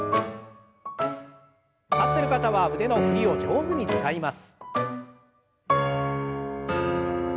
立ってる方は腕の振りを上手に使います。